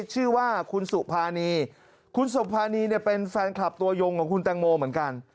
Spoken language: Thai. ชื่อว่าคุณสุภานีคุณสุภานีเนี่ยเป็นแฟนคลับตัวยงของคุณแตงโมเหมือนกัน